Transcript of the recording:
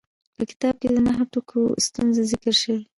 په کتاب کې د نهو ټکو ستونزه ذکر شوې.